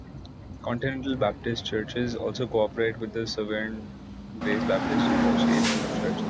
Continental Baptist Churches also cooperates with the Sovereign Grace Baptist Association of Churches.